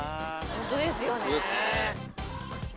ホントですよね。